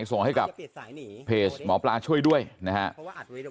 ส่งให้กับเพจหมอปลาช่วยด้วยนะครับ